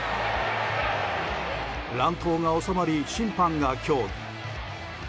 乱闘が収まり審判が協議。